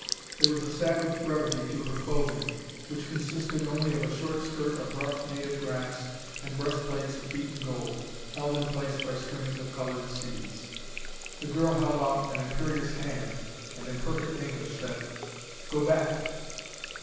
There was a savage brevity to her clothing, which consisted only of a short skirt of rough native grass and breastplates of beaten gold, held in place by strings of colored seeds. The girl held out an imperious hand and, in perfect English, said: "Go back!"